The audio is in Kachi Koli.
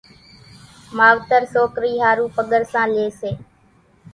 ماوتر سوڪرِي ۿارُو پڳرسان لئي سي،